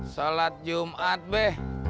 salat jumat be